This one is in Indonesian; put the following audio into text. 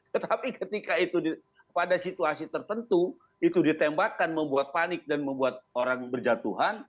tetapi ketika itu pada situasi tertentu itu ditembakkan membuat panik dan membuat orang berjatuhan